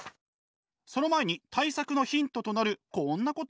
その前に対策のヒントとなるこんなことやっちゃいます。